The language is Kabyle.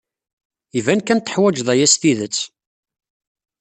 Iban kan teḥwajed aya s tidet.